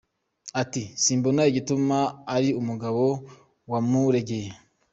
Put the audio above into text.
Ati : “Simbona igituma ari umugabo waburegeye.